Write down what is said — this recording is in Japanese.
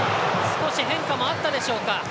少し変化もあったでしょうか。